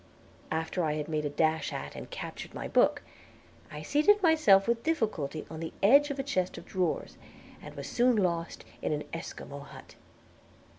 After I had made a dash at and captured my book, I seated myself with difficulty on the edge of the chest of drawers, and was soon lost in an Esquimaux hut.